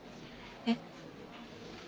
えっ？